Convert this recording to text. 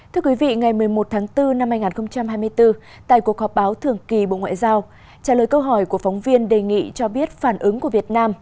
thưa quý vị ngày một mươi một tháng bốn năm hai nghìn hai mươi bốn tại cuộc họp báo thường kỳ bộ ngoại giao trả lời câu hỏi của phóng viên đề nghị cho biết phản ứng của việt nam